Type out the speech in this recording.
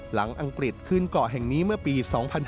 อังกฤษขึ้นเกาะแห่งนี้เมื่อปี๒๕๕๙